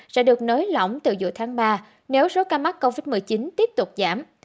sẽ được nới lỏng từ giữa tháng ba nếu số ca mắc covid một mươi chín tiếp tục giảm